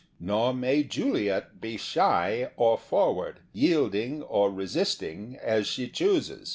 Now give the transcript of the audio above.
]STor may Juliet be shy or forward, yielding or resisting, as she chooses.